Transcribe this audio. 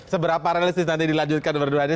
seberapa realistis nanti dilanjutkan dua duanya